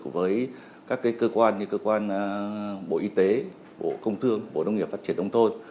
với các cơ quan như cơ quan bộ y tế bộ công thương bộ nông nghiệp phát triển đông thôn